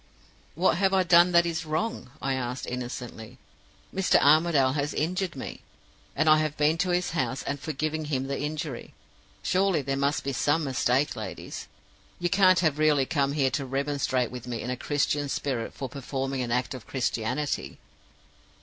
"'What have I done that is wrong?' I asked, innocently. 'Mr. Armadale has injured me; and I have been to his house and forgiven him the injury. Surely there must be some mistake, ladies? You can't have really come here to remonstrate with me in a Christian spirit for performing an act of Christianity?